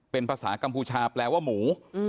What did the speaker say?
เป็นภาษากัมพูชาแปลว่าหมู